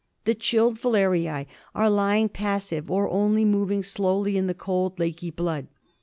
The chilled filariae are lying passive or only moving slowly in the cold, lakey blood.